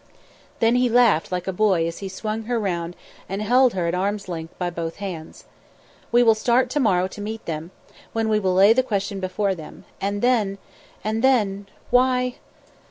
Then he laughed like a boy as he swung her round and held her at arm's length by both hands. "We will start to morrow to meet them, when we will lay the question before them. And then and then why